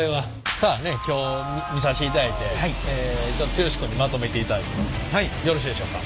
さあ今日見させていただいて剛君にまとめていただいてもよろしいでしょうか？